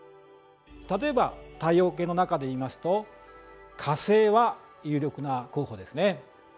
例えば太陽系の中でいいますと火星は有力な候補ですね。